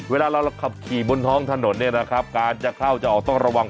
เวลาเราขับขี่บนท้องถนนเนี่ยนะครับการจะเข้าจะออกต้องระวัง